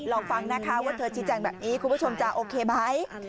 ลองฟังนะคะว่าเธอชี้แจงแบบนี้คุณผู้ชมจะโอเคไหม